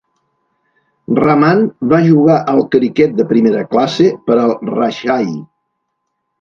Rahman va jugar al criquet de primera classe per al Rajshahi.